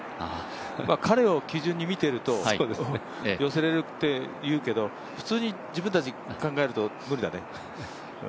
彼を基準に見ていると寄せられると思うけど、普通に自分たちで考えると無理だね。